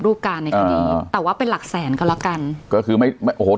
รูปการณ์ในคดีแต่ว่าเป็นหลักแสนก็แล้วกันก็คือไม่ไม่โอ้โห